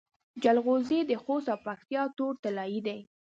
جلغوزي د خوست او پکتیا تور طلایی دي